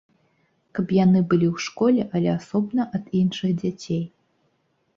Каб яны былі ў школе, але асобна ад іншых дзяцей.